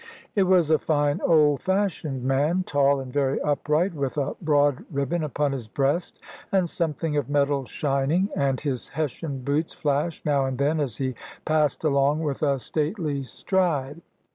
It was a fine old fashioned man, tall and very upright, with a broad ribbon upon his breast, and something of metal shining; and his Hessian boots flashed now and then as he passed along with a stately stride.